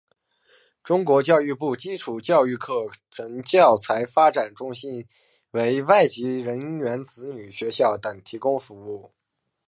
中国教育部基础教育课程教材发展中心为外籍人员子女学校等提供服务。